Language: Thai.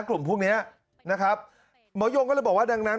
กลุ่มพวกเนี้ยนะครับหมอยงก็เลยบอกว่าดังนั้น